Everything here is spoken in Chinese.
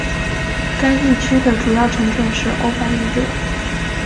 该地区的主要城镇是欧拜伊德。